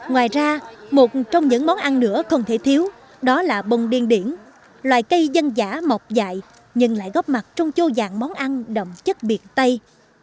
ngoài ra một trong những món ăn nữa không thể thiếu đó là bông điên điển loài cây dân giả mọc dại nhưng lại góp mặt trong châu dạng món ăn đậm chất biệt tây